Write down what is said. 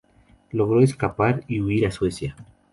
Logró escapar y huir a Suecia.